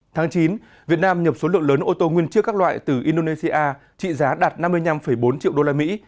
tháng chín việt nam nhập số lượng lớn ô tô nguyên trước các loại từ indonesia trị giá đạt năm mươi năm bốn triệu đô la mỹ